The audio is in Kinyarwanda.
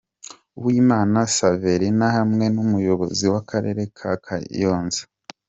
Uwimana Saverina hamwe n’umuyobozi w’akarere ka Kayonza.